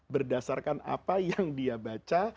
berdasarkan apa yang dia baca